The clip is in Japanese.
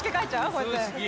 こうやって。